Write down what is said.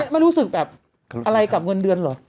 ไม่รู้สึกแบบอะไรกับเงินเดือนเหรอ